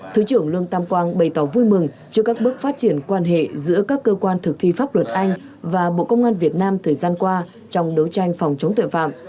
thứ trưởng lương tam quang bày tỏ vui mừng trước các bước phát triển quan hệ giữa các cơ quan thực thi pháp luật anh và bộ công an việt nam thời gian qua trong đấu tranh phòng chống tội phạm